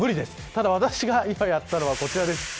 ただ私が今やったのはこちらです。